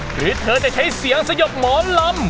หรือเธอจะใช้เสียงสยบหมอลำ